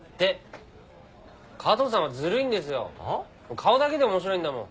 顔だけで面白いんだもん。